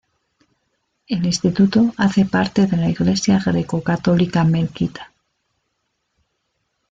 El instituto hace parte de la Iglesia greco-católica melquita.